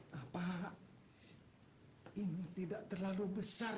bapak ini tidak terlalu besar